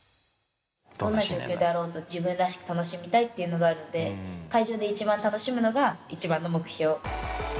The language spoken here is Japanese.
どんな状況であろうと自分らしく楽しみたいっていうのがあるので会場でいちばん楽しむのがいちばんの目標。